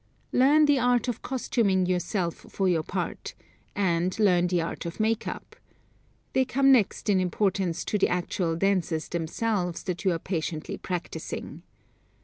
Learn the art of costuming yourself for your part, and learn the art of makeup. They come next in importance to the actual dances themselves that you are patiently practicing.